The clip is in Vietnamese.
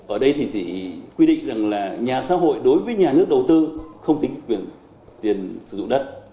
ở đây thì chị quy định rằng là nhà xã hội đối với nhà nước đầu tư không tính quyền tiền sử dụng đất